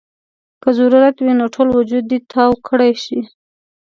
کۀ ضرورت وي نو ټول وجود دې تاو کړے شي -